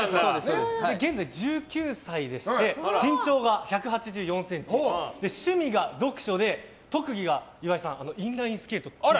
現在１９歳で身長が１８４ｃｍ趣味が読書で特技がインラインスケートと。